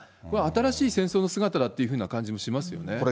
これは新しい戦争の姿だっていう感じもしますよね。